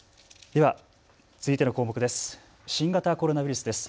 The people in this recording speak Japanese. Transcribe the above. では続いての項目です。